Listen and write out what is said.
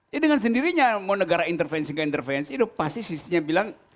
ya dengan sendirinya mau negara intervensi nggak intervensi itu pasti sistemnya bilang